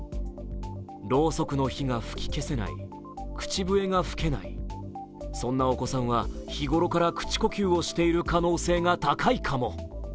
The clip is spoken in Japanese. ろうそくの火が吹き消せない口笛が吹けない、そんなお子さんは日頃から口呼吸をしている可能性が高いかも。